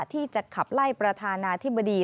ที่จะขับไล่ประธานาธิบดี